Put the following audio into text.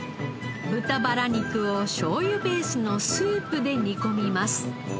豚バラ肉をしょうゆベースのスープで煮込みます。